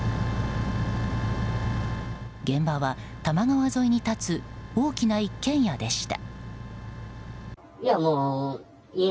現場は、多摩川沿いに立つ大きな一軒家でした。